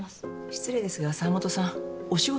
失礼ですが澤本さんお仕事は？